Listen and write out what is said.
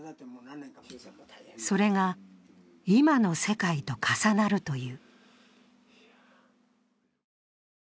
それが今の世界と重なるという。